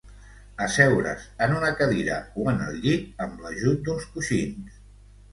Asseure's en una cadira o en el llit, amb l'ajut d'uns coixins.